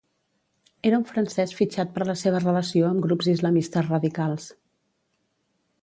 Era un francès fitxat per la seva relació amb grups islamistes radicals.